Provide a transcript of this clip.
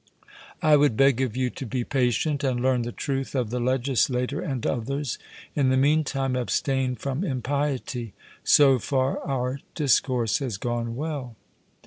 I would beg of you to be patient, and learn the truth of the legislator and others; in the mean time abstain from impiety. 'So far, our discourse has gone well.'